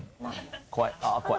怖いああ怖い。